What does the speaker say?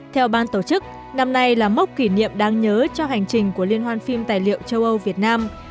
theo ban tổ chức năm nay là mốc kỷ niệm đáng nhớ cho hành trình của liên hoan phim tài liệu châu âu việt nam